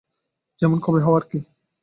যেমন কবি হওয়া আর-কি।